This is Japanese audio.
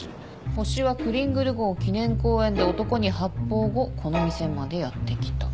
ホシはクリングル号記念公園で男に発砲後この店までやって来た。